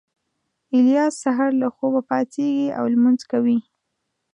الیاس سهار له خوبه پاڅېږي او لمونځ کوي